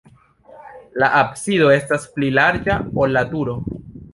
La absido estas pli larĝa, ol la turo.